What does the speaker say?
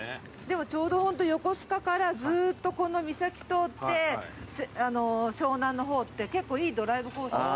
でもちょうど横須賀からずーっとこの三崎通って湘南の方って結構いいドライブコースなんですよ。